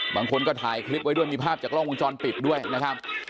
บางคนก็ถ่ายคลิปไว้ด้วยมีภาพจากกล้องวงจรปิดด้วยนะครับ